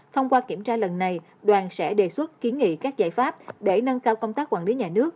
thông qua kiểm tra lần này đoàn sẽ đề xuất kiến nghị các giải pháp để nâng cao công tác quản lý nhà nước